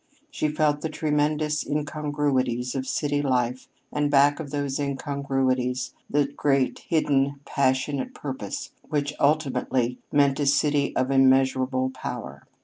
She felt the tremendous incongruities of city life, and back of these incongruities, the great, hidden, passionate purpose which, ultimately, meant a city of immeasurable power.